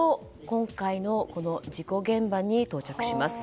今回の事故現場に到着します。